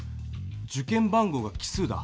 受験番号が奇数だ。